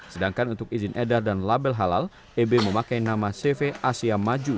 sedangkan untuk izin edar dan label halal eb memakai nama cv asia maju